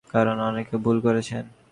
কারণ, অনেকে ভুল করেছেন।